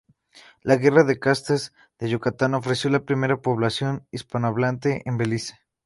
La Guerra de Castas de Yucatán ofreció la primera población hispanohablante en Belice.